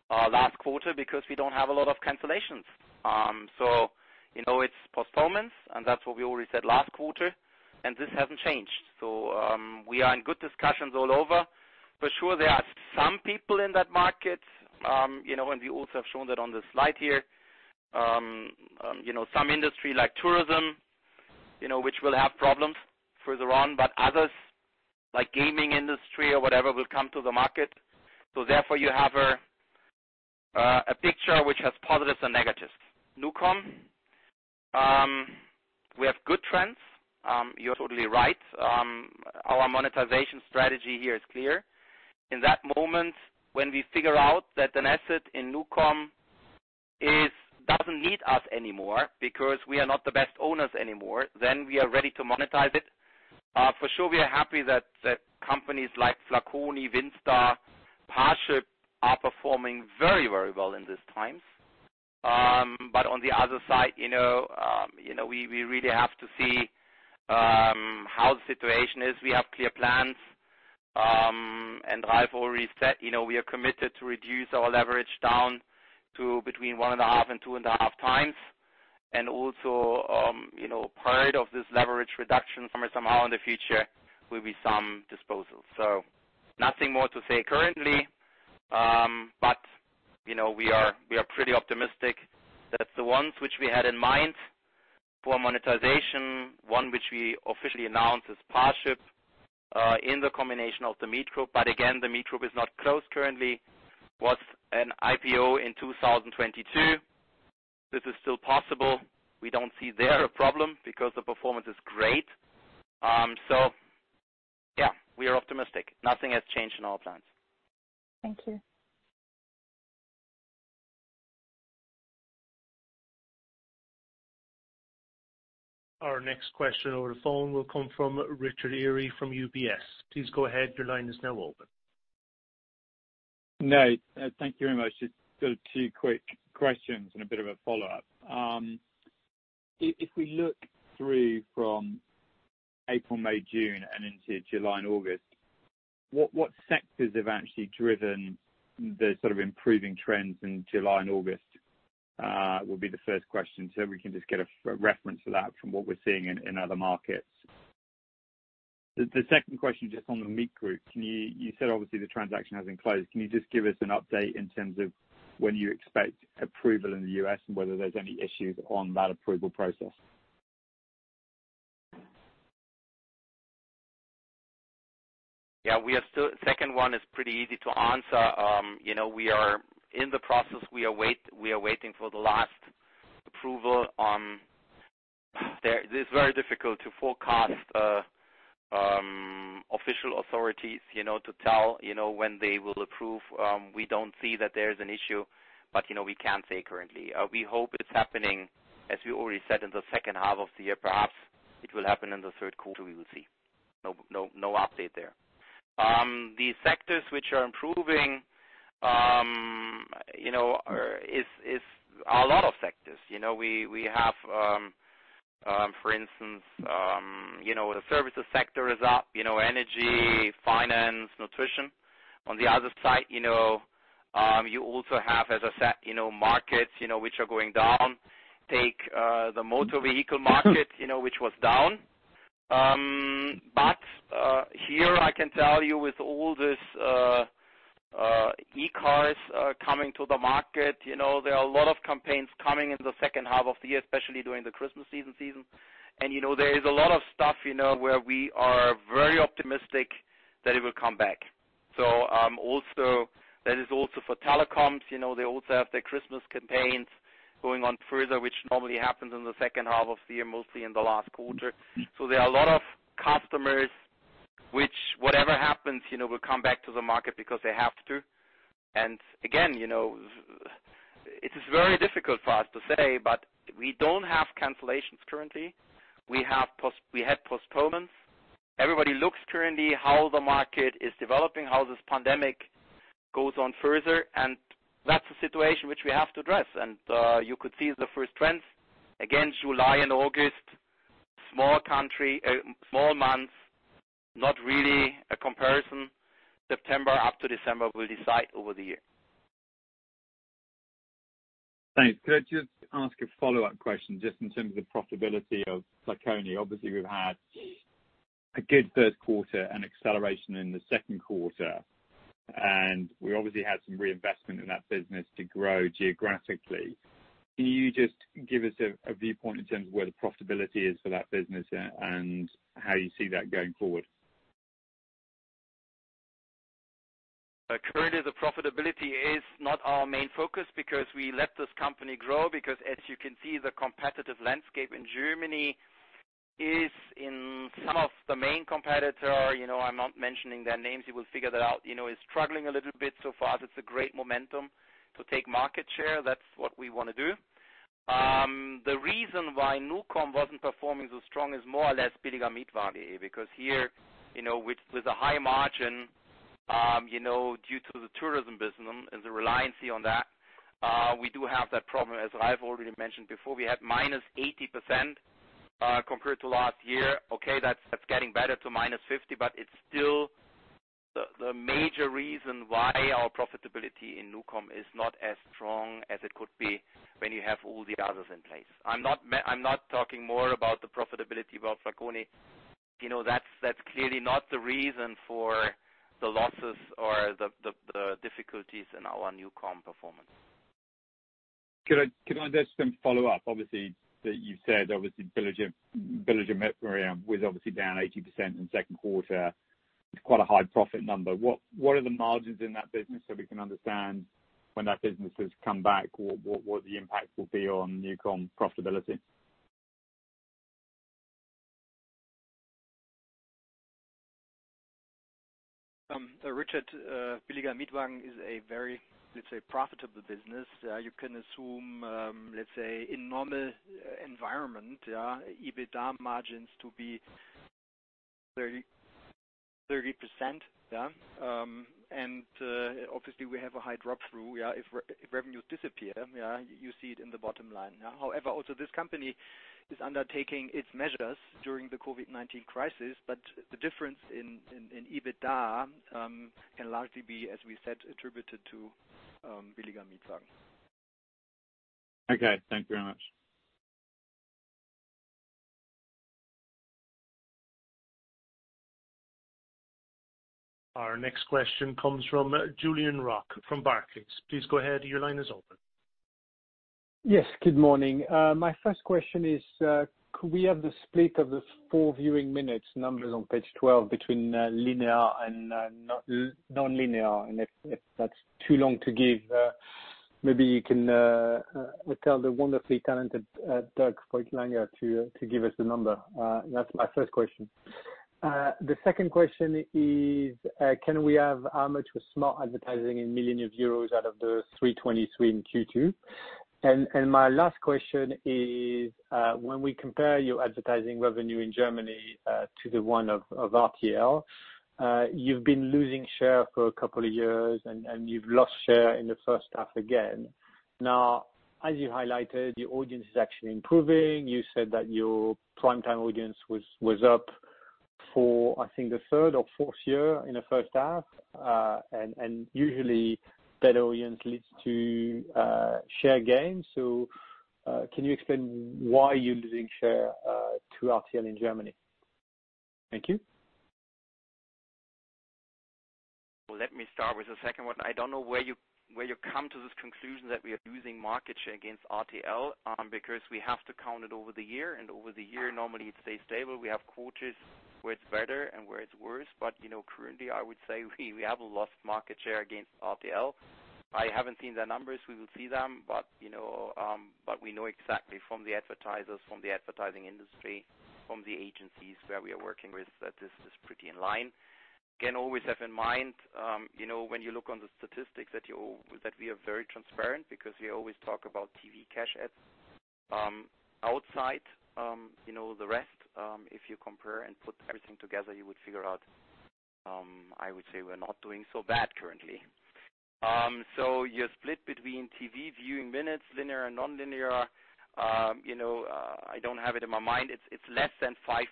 last quarter because we don't have a lot of cancellations. It's postponements, and that's what we already said last quarter, and this hasn't changed. We are in good discussions all over. For sure, there are some people in that market, and we also have shown that on the slide here. Some industry like tourism, which will have problems further on, but others, like gaming industry or whatever, will come to the market. Therefore, you have a picture which has positives and negatives. NuCom, we have good trends, you're totally right, our monetization strategy here is clear. In that moment, when we figure out that an asset in NuCom doesn't need us anymore because we are not the best owners anymore, then we are ready to monetize it. For sure, we are happy that companies like flaconi, WindStar, Parship are performing very well in these times. On the other side, we really have to see how the situation is. We have clear plans, and I've already said we are committed to reduce our leverage down to between 1.5x and 2.5x. Also, part of this leverage reduction somewhere, somehow in the future will be some disposals. Nothing more to say currently, but we are pretty optimistic that the ones which we had in mind for monetization, one which we officially announced is Parship in the combination of The Meet Group. Again, The Meet Group is not closed currently, was an IPO in 2022. This is still possible, we don't see there a problem because the performance is great. Yeah, we are optimistic. Nothing has changed in our plans. Thank you. Our next question over the phone will come from Richard Eary from UBS. Please go ahead, your line is now open. [Nate], thank you very much. Just got two quick questions and a bit of a follow-up. If we look through from April, May, June and into July and August, what sectors have actually driven the sort of improving trends in July and August? Will be the first question. We can just get a reference for that from what we're seeing in other markets. The second question, just on The Meet Group; you said, obviously, the transaction hasn't closed. Can you just give us an update in terms of when you expect approval in the U.S. and whether there's any issues on that approval process? Yeah. Second one is pretty easy to answer. We are in the process, we are waiting for the last approval. It's very difficult to forecast official authorities to tell when they will approve. We don't see that there's an issue, but we can't say currently. We hope it's happening, as we already said, in the second half of the year, perhaps it will happen in the third quarter. We will see. No update there. The sectors which are improving, is a lot of sectors. We have, for instance, the services sector is up, energy, finance, nutrition. On the other side, you also have, as I said, markets which are going down. Take the motor vehicle market which was down. Here I can tell you with all this e-cars coming to the market, there are a lot of campaigns coming in the second half of the year, especially during the Christmas Eve season. There is a lot of stuff where we are very optimistic that it will come back. That is also for telecoms, they also have their Christmas campaigns going on further, which normally happens in the second half of the year, mostly in the last quarter. There are a lot of customers which, whatever happens, will come back to the market because they have to. Again, it is very difficult for us to say, but we don't have cancellations currently. We had postponements. Everybody looks currently how the market is developing, how this pandemic goes on further, and that's the situation which we have to address. You could see the first trends again, July and August, small months, not really a comparison. September up to December will decide over the year. Thanks. Could I just ask a follow-up question, just in terms of profitability of flaconi? Obviously, we've had a good first quarter and acceleration in the second quarter, and we obviously had some reinvestment in that business to grow geographically. Can you just give us a viewpoint in terms of where the profitability is for that business and how you see that going forward? Currently, the profitability is not our main focus because we let this company grow. As you can see, the competitive landscape in Germany is in some of the main competitor. I'm not mentioning their names. You will figure that out. It's struggling a little bit so far, that's a great momentum to take market share. That's what we want to do. The reason why NuCom wasn't performing so strong is more or less Billiger Mietwagen, because here, with a high margin, due to the tourism business and the reliance on that, we do have that problem. As I've already mentioned before, we had -80% compared to last year, that's getting better to -50%, but it's still the major reason why our profitability in NuCom is not as strong as it could be when you have all the others in place. I'm not talking more about the profitability of flaconi. That's clearly not the reason for the losses or the difficulties in our NuCom performance. Could I just then follow up, obviously, that you said, obviously, Billiger Mietwagen was obviously down 80% in the second quarter. It's quite a high profit number. What are the margins in that business so we can understand when that business has come back, what the impact will be on NuCom profitability? Richard, Billiger Mietwagen is a very, let's say, profitable business. You can assume, let's say in normal environment, EBITDA margins to be 30%. Obviously, we have a high drop-through. If revenues disappear, you see it in the bottom line. However, also this company is undertaking its measures during the COVID-19 crisis, but the difference in EBITDA, can largely be, as we said, attributed to Billiger Mietwagen. Okay, thank you very much. Our next question comes from Julien Roch from Barclays. Please go ahead, your line is open. Yes, good morning. My first question is, could we have the split of these for viewing minutes numbers on page 12 between linear and non-linear? If that's too long to give, maybe you can tell the wonderfully talented Dirk Voigtländer to give us the number. That's my first question. The second question is, can we have how much was smart advertising in million of euros out of the 323 in Q2? My last question is, when we compare your advertising revenue in Germany to the one of RTL, you've been losing share for a couple of years, and you've lost share in the first half again. Now, as you highlighted, your audience is actually improving, you said that your primetime audience was up for, I think, the third or fourth year in the first half. Usually that audience leads to share gains. Can you explain why you're losing share to RTL in Germany? Thank you. Let me start with the second one. I don't know where you come to this conclusion that we are losing market share against RTL, because we have to count it over the year, and over the year, normally it stays stable. We have quarters where it's better and where it's worse. Currently, I would say we haven't lost market share against RTL. I haven't seen the numbers, we will see them, but we know exactly from the advertisers, from the advertising industry, from the agencies where we are working with, that this is pretty in line. Again, always have in mind, when you look on the statistics, that we are very transparent because we always talk about TV cash ads. Outside, the rest, if you compare and put everything together, you would figure out, I would say, we're not doing so bad currently. Your split between TV viewing minutes, linear and non-linear, I don't have it in my mind. It's less than 5%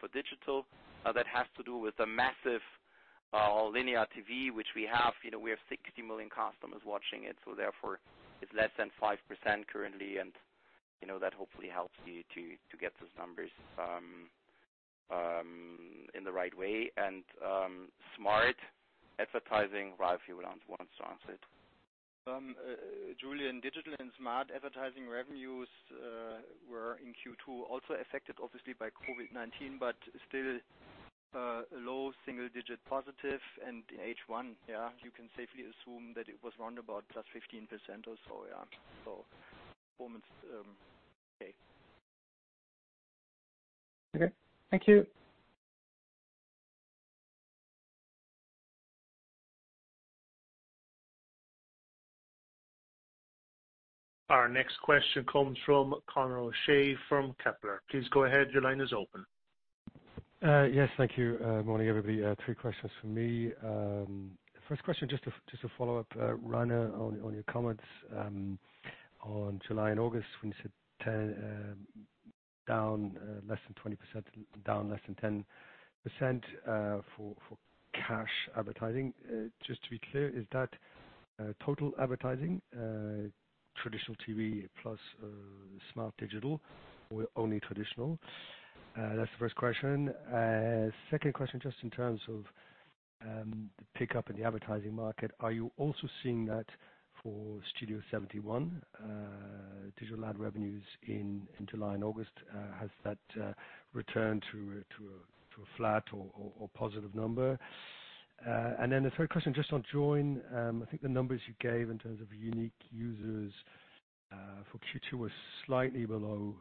for digital. That has to do with the massive linear TV, which we have. We have 60 million customers watching it, therefore, it's less than 5% currently. That hopefully helps you to get those numbers in the right way. Smart advertising, Ralf, you want to answer it? Julien, digital and smart advertising revenues were in Q2, also affected obviously by COVID-19, but still low single digit positive and in H1, you can safely assume that it was around about +15% or so performance. Okay. Okay, thank you. Our next question comes from Conor O'Shea from Kepler. Please go ahead, your line is open. Yes, thank you. Morning, everybody. Three questions from me. First question, just to follow up, Rainer, on your comments on July and August when you said down less than 20%, down less than 10% for cash advertising. Just to be clear, is that total advertising, traditional TV plus smart digital or only traditional? That's the first question. Second question, just in terms of the pickup in the advertising market, are you also seeing that for Studio71 digital ad revenues in July and August? Has that returned to a flat or positive number? The third question, just on Joyn. I think the numbers you gave in terms of unique users for Q2 were slightly below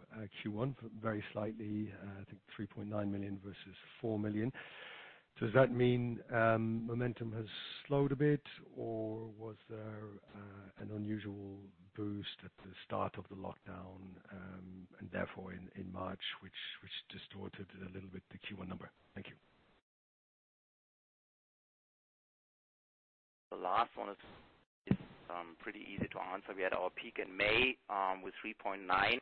Q1, very slightly, I think 3.9 million versus 4 million. Does that mean momentum has slowed a bit, or was there an unusual boost at the start of the lockdown, and therefore in March, which distorted a little bit the Q1 number? Thank you. The last one is pretty easy to answer. We had our peak in May with 3.9 million,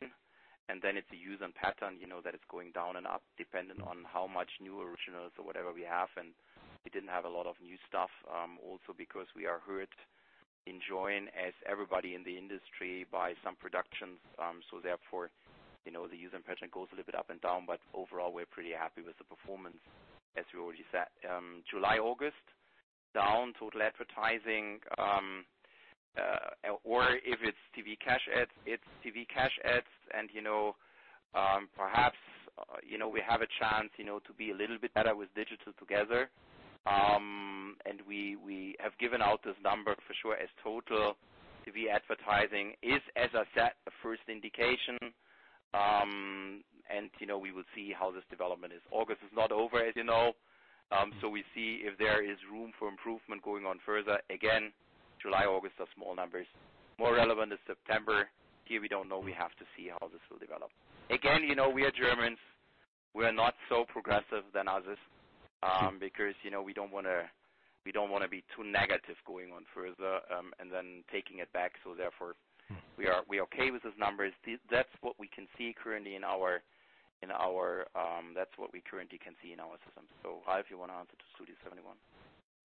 and then it's a user pattern that is going down and up depending on how much new originals or whatever we have. We didn't have a lot of new stuff. Also because we are hurt in Joyn, as everybody in the industry, by some productions, therefore, the user pattern goes a little bit up and down, but overall, we're pretty happy with the performance, as we already said. July, August, down total advertising, or if it's TV cash ads, it's TV cash ads. Perhaps, we have a chance to be a little bit better with digital together. We have given out this number for sure as total TV advertising is, as I said, a first indication, we will see how this development is. August is not over, as you know, we see if there is room for improvement going on further. Again, July, August are small numbers. More relevant is September, here, we don't know, we have to see how this will develop. Again, we are Germans, we are not so progressive than others because we don't want to be too negative going on further and then taking it back. Therefore, we are okay with those numbers, that's what we currently can see in our system. Ralf, you want to answer to Studio71.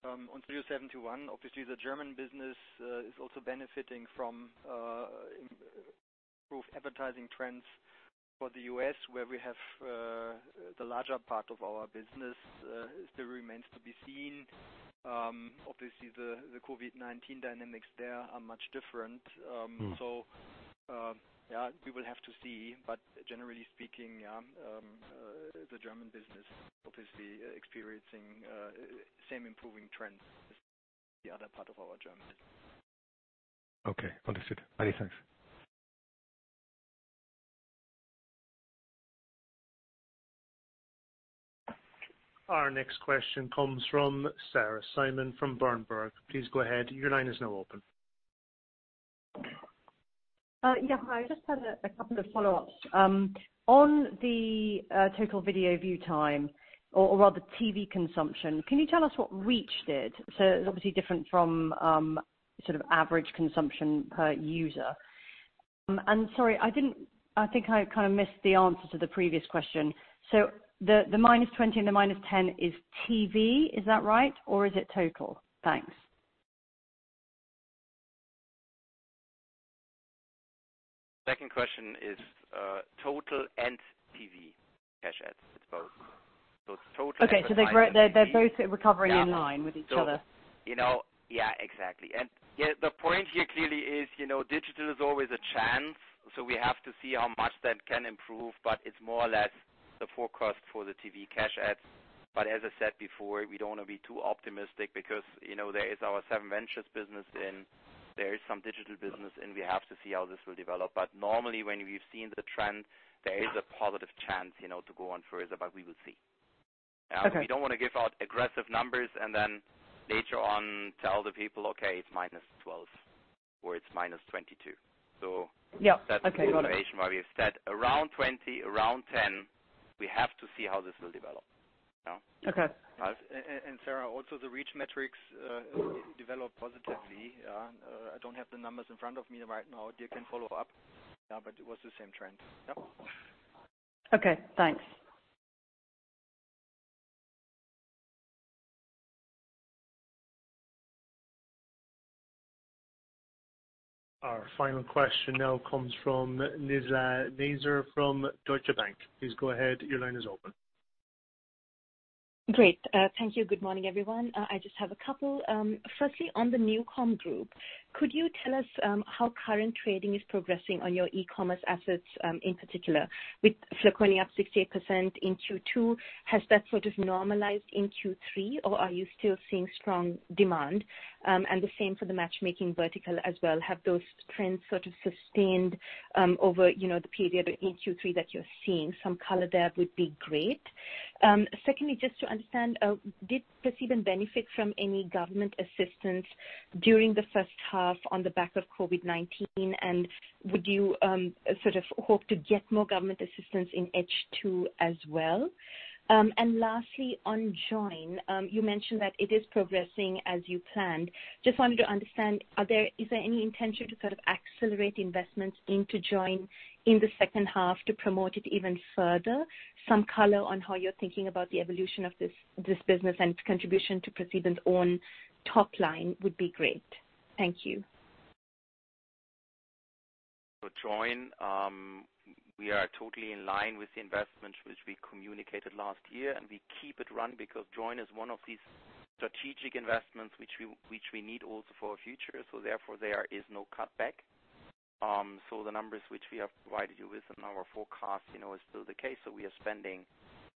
On Studio71, obviously the German business is also benefiting from improved advertising trends. For the U.S., where we have the larger part of our business, still remains to be seen. Obviously, the COVID-19 dynamics there are much different. We will have to see. Generally speaking, yeah, the German business obviously experiencing same improving trends as the other part of our Germany. Okay, understood. Many thanks. Our next question comes from Sarah Simon from Berenberg. Please go ahead, your line is now open. Hi. Just had a couple of follow-ups. On the total video view time, or rather TV consumption, can you tell us what reach did? It's obviously different from average consumption per user. Sorry, I think I kind of missed the answer to the previous question. The -20% and the -10% is TV, is that right? Or is it total? Thanks. Second question is total and TV cash ads. It's both. It's total. Okay. They're both recovering in line with each other? Yeah, exactly. The point here clearly is, digital is always a chance, so we have to see how much that can improve, but it's more or less the forecast for the TV cash ads. As I said before, we don't want to be too optimistic because there is our SevenVentures business and there is some digital business, and we have to see how this will develop. Normally, when we've seen the trend, there is a positive chance to go on further, but we will see. Okay. We don't want to give out aggressive numbers and then later on tell the people, "Okay, it's -12% or it's -22%. Yeah. Okay, got it. That's the motivation why we have said around 20%, around 10%, we have to see how this will develop. Okay. Sarah, also the reach metrics developed positively, I don't have the numbers in front of me right now. You can follow up, but it was the same trend. Okay, thanks. Our final question now comes from Nizla Naizer from Deutsche Bank. Please go ahead, your line is open. Great, thank you. Good morning, everyone. I just have a couple. Firstly, on the NuCom Group, could you tell us how current trading is progressing on your e-commerce assets in particular? With flaconi up 68% in Q2, has that sort of normalized in Q3, or are you still seeing strong demand? The same for the matchmaking vertical as well, have those trends sort of sustained over the period in Q3 that you're seeing? Some color there would be great. Secondly, just to understand, did ProSieben benefit from any government assistance during the first half on the back of COVID-19, and would you sort of hope to get more government assistance in H2 as well? Lastly, on Joyn, you mentioned that it is progressing as you planned. Just wanted to understand, is there any intention to accelerate investments into Joyn in the second half to promote it even further? Some color on how you're thinking about the evolution of this business and its contribution to ProSieben's own top line would be great. Thank you. For Joyn, we are totally in line with the investments which we communicated last year. We keep it running because Joyn is one of these strategic investments which we need also for our future. Therefore, there is no cutback. The numbers which we have provided you with in our forecast is still the case, we are spending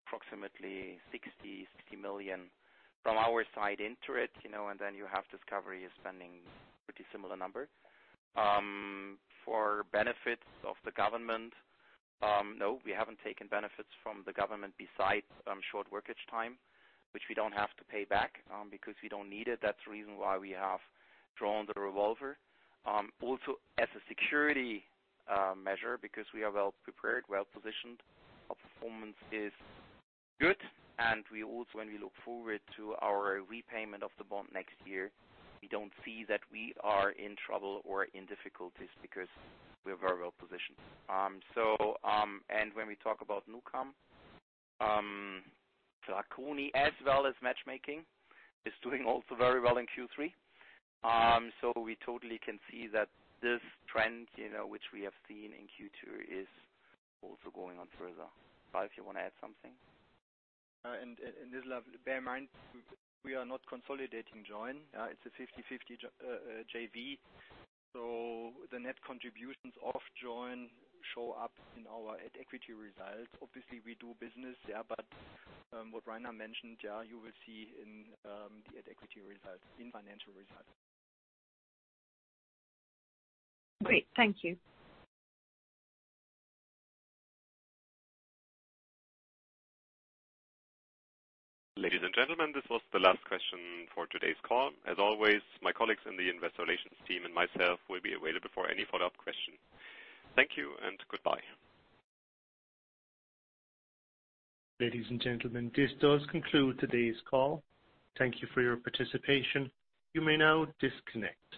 approximately 60 million from our side into it. You have Discovery is spending pretty similar number. For benefits of the government, no, we haven't taken benefits from the government besides short-time work, which we don't have to pay back because we don't need it. That's the reason why we have drawn the revolver. As a security measure, because we are well-prepared, well-positioned, our performance is good, and we also, when we look forward to our repayment of the bond next year, we don't see that we are in trouble or in difficulties because we are very well-positioned. When we talk about NuCom, flaconi as well as matchmaking is doing also very well in Q3. We totally can see that this trend which we have seen in Q2 is also going on further. Ralf, you want to add something? Nizla, bear in mind, we are not consolidating Joyn, it's a 50/50 JV. The net contributions of Joyn show up in our at-equity results. Obviously, we do business, but what Rainer mentioned, you will see in the at-equity results in financial results. Great, thank you. Ladies and gentlemen, this was the last question for today's call. As always, my colleagues in the investor relations team and myself will be available for any follow-up question. Thank you and goodbye. Ladies and gentlemen, this does conclude today's call. Thank you for your participation. You may now disconnect.